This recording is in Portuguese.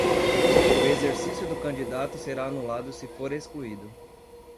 O exercício do candidato será anulado se for excluído.